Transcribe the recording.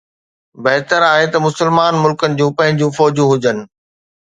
بهتر آهي ته مسلمان ملڪن جون پنهنجون فوجون هجن